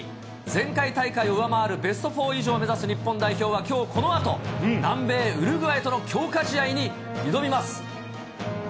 前回大会を上回るベスト４以上を目指す日本代表は、きょうこのあと、南米ウルグアイとの強化試合に挑みます。